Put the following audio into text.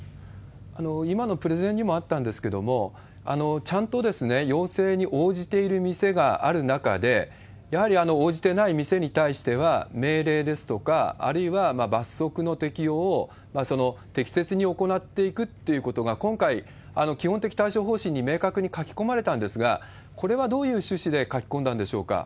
今のプレゼンにもあったんですけれども、ちゃんと要請に応じている店がある中で、やはり応じてない店に対しては命令ですとか、あるいは罰則の適用を適切に行っていくっていうことが、今回、基本的対処方針に明確に書き込まれたんですが、これはどういう趣旨で書き込んだんでしょうか？